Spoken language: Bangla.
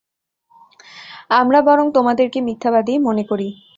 আমরা বরং তোমাদেরকে মিথ্যাবাদীই মনে করি।